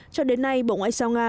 cho đến nay bộ ngoại giao nga